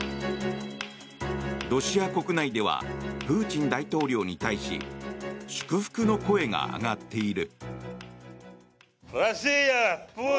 ロシア国内ではプーチン大統領に対し祝福の声が上がっている。